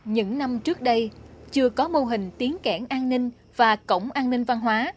những năm trước đây chưa có mô hình tiếng kẻng an ninh và cổng an ninh văn hóa